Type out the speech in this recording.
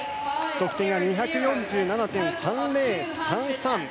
得点が２４７．３０３３。